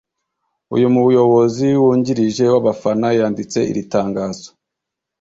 uyu muyobozi wungirije w’abafana yanditse iri tangazo